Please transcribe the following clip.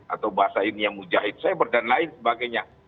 atau bahasa ini yang mujahid cyber dan lain sebagainya